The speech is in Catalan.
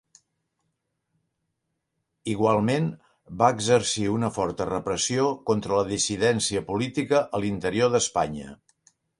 Igualment, va exercir una forta repressió contra la dissidència política a l'interior d'Espanya.